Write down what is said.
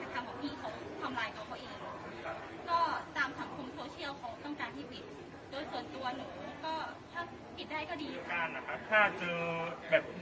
ก็ตามสังคมโชเชียลเขาต้องการให้ปริศนีย์